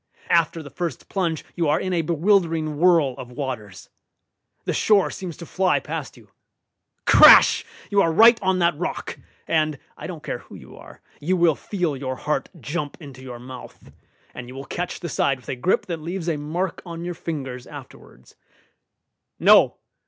After the first plunge you are in a bewildering whirl of waters. The shore seems to fly past you. Crash! You are right on that rock, and (I don't care who you are) you will feel your heart jump into your mouth, and you will catch the side with a grip that leaves a mark on your fingers afterwards. No!